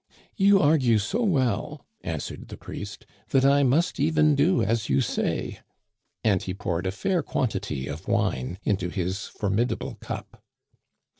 " You argue so well," answered the priest, " that I must even do as you say," and he poured a fair quan tity of wine into his formidable cup.